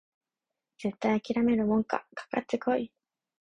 絶対あきらめるもんかかかってこい！